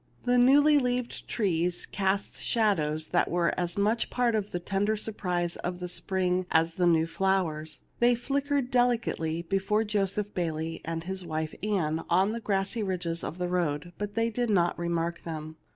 The newly leaved trees cast shad ows that were as much a part of the tender sur prise of the spring as the new flowers. They flickered delicately before Joseph Bayley and his wife Ann on the grassy ridges of the road, but they did not remark them.